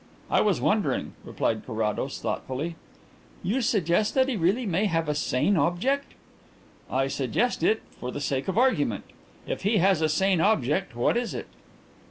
"I was wondering," replied Carrados thoughtfully. "You suggest that he really may have a sane object?" "I suggest it for the sake of argument. If he has a sane object, what is it?"